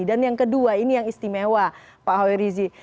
dan yang kedua ini yang istimewa pak hoerizi